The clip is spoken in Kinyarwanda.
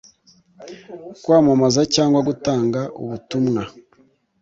kwamamaza cyangwa gutanga ubutumwa